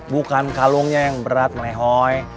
bukan kalungnya yang berat melehoy